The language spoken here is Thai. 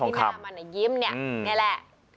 หน้ามันยิ้มเนี่ยนี่แหละ